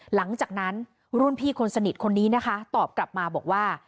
หลังจากนั้นรุ่นพี่คนสนิทคนนี้นะคะตอบกลับมาบอกว่า